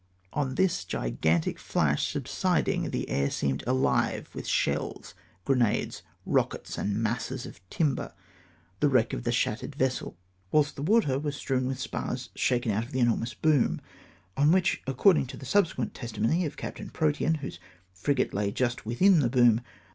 On this gigantic flash sub siding, the air seemed ahve with shells, grenades, rockets, and masses of timber, the wreck of the shattered vessel ; whilst the water was strewn with spars, shaken out of the enormous boom, on which, according to the subsequent testimony of Captaui Protean, whose frigate lay just within the boom, th(^.